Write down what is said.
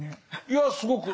いやすごく。